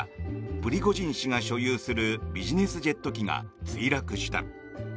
プリゴジン氏が所有するビジネスジェット機が墜落した。